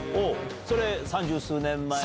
それ３０数年前？